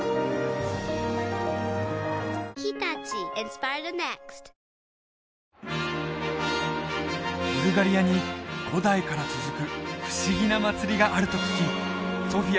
このあとはブルガリアに古代から続く不思議な祭りがあると聞きソフィア